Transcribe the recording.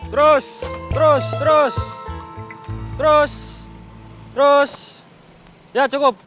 terus terus terus terus ya cukup